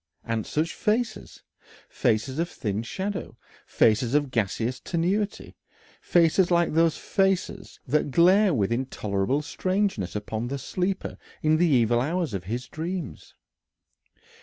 And such faces! Faces of thin shadow, faces of gaseous tenuity. Faces like those faces that glare with intolerable strangeness upon the sleeper in the evil hours of his dreams.